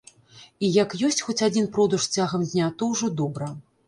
І як ёсць хоць адзін продаж цягам дня, то ўжо добра.